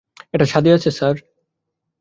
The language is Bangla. এটা ছাদে আছে, স্যার।